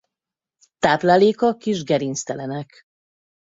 Tápláléka kis gerinctelenek.